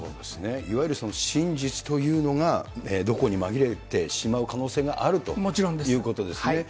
いわゆる真実というのが、どこに紛れてしまう可能性があるということですね。